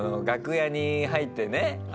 楽屋に入ってね